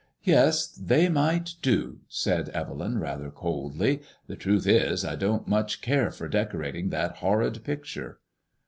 "Yes, they might do," said Evelyn, rather coldly. "The truth is I don't much care for decorating that horrid picture."